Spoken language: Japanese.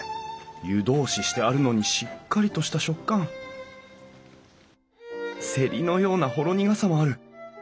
湯通ししてあるのにしっかりとした食感セリのようなほろ苦さもある！